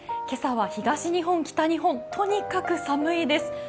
今朝は東日本、北日本、とにかく寒いです。